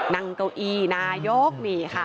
นั่งเก้าอี้นายกนี่ค่ะ